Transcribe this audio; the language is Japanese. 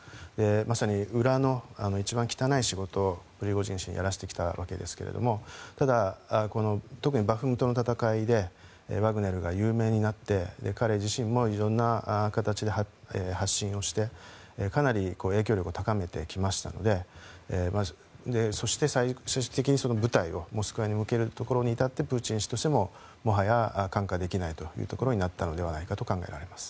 まさに裏の一番汚い仕事をプリゴジン氏にやらせてきたわけですがただ特にバフムトの戦いでワグネルが有名になって彼自身も色んな形で発信をしてかなり影響力を高めてきましたのでそして、最終的に部隊をモスクワに向けるところに至ってプーチン氏としてももはや看過できないということになったのではないかと考えられます。